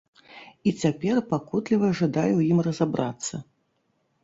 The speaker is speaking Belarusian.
І цяпер пакутліва жадаю ў ім разабрацца.